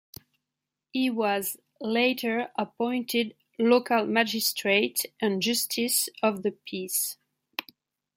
He was later appointed local magistrate and Justice of the Peace.